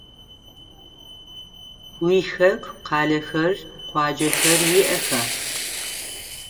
Уихэку къалэхэр, къуаджэхэр иӏэха?